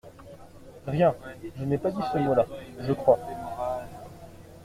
Rien ; je n’ai pas dit ce mot-là, je crois.